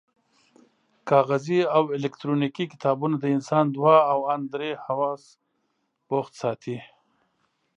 کاغذي او الکترونیکي کتابونه د انسان دوه او ان درې حواس بوخت ساتي.